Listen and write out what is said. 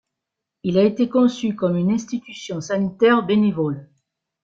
Il a été conçu comme une institution sanitaire bénévole.